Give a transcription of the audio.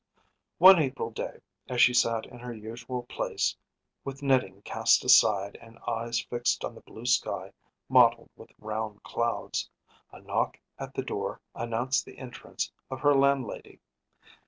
One April day, as she sat in her usual place, with knitting cast aside and eyes fixed on the blue sky mottled with round clouds, a knock at the door announced the entrance of her landlady.